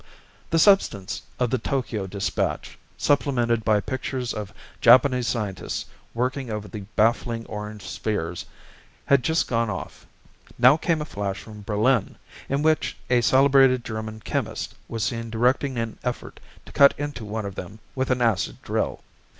The substance of the Tokyo dispatch, supplemented by pictures of Japanese scientists working over the baffling orange spheres, had just gone off. Now came a flash from Berlin, in which a celebrated German chemist was seen directing an effort to cut into one of them with an acid drill.